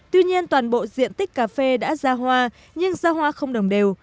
tuy nhiên toàn bộ diện tích cà phê đã ra hoa nhưng ra hoa không đồng đều